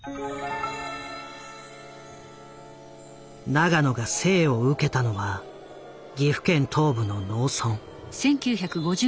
永野が生を受けたのは岐阜県東部の農村。